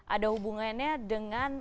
ada hubungannya dengan